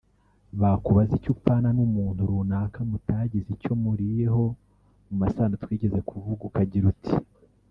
bakubaza icyo upfana n’umuntu runaka mutagize icyo muriyeho mu masano twigeze kuvuga ukagira uti